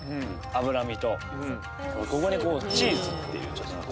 脂身とここにこうチーズっていうちょっとね